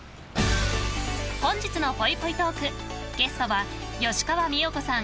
本日のぽいぽいトークゲストは吉川美代子さん